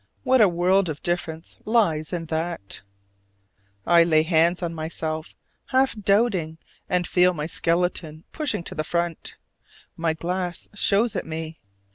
What a world of difference lies in that! I lay hands on myself, half doubting, and feel my skeleton pushing to the front: my glass shows it me.